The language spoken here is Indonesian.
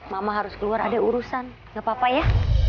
mama harus keluar ada urusan gak apa apa ya